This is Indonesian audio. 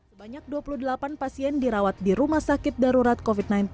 sebanyak dua puluh delapan pasien dirawat di rumah sakit darurat covid sembilan belas